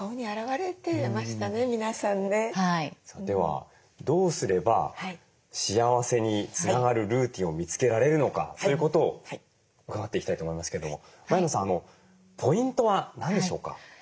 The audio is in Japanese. ではどうすれば幸せにつながるルーティンを見つけられるのかということを伺っていきたいと思いますけども前野さんポイントは何でしょうか？